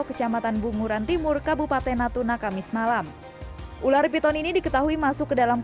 kecamatan bunguran timur kabupaten natuna kamis malam ular piton ini diketahui masuk ke dalam